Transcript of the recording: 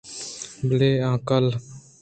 بلے آ کُل